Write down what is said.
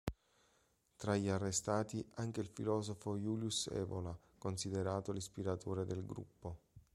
Tra gli arrestati anche il filosofo Julius Evola, considerato l'ispiratore del gruppo.